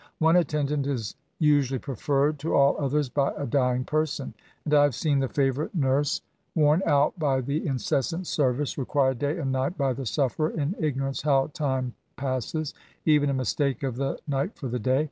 One attendant is usually preferred to aU others by a dying person : and I have seen the favourite nurse 40 ESSAYS. worn out by the incessant service required day and night by the sufferer^ in ignorance how time passes^ — even in mistake of the night for the day.